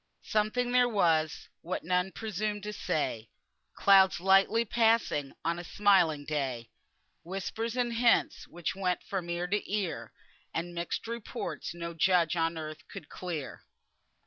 "Something there was, what, none presumed to say, Clouds lightly passing on a smiling day, Whispers and hints which went from ear to ear, And mixed reports no judge on earth could clear."